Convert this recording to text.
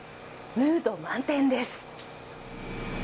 ムード満点です。